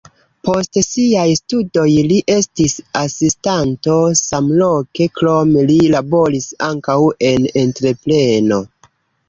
Post siaj studoj li estis asistanto samloke, krome li laboris ankaŭ en entrepreno.